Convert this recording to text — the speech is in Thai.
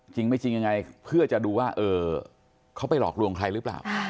จริงไม่จริงยังไงเพื่อจะดูว่าเขาไปหลอกลวงใครหรือเปล่า